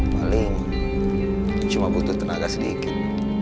paling cuma butuh tenaga sedikit